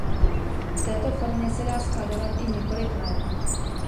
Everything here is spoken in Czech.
V této formě se dá skladovat i několik let.